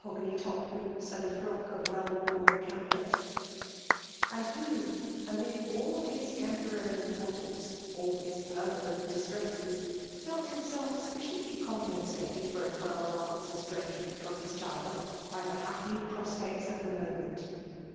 gany4oppcd boots, and a frock of well wei|i camlet; and who, amid all his temporal^ importance, all his permanent distresses, felt • himself sufficiently compensated for a twel^ii ' months* estrangement from his clnld, T)y fee happy prospects of the moment.